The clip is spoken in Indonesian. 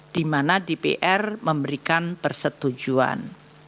di mana dpr memberikan persetujuan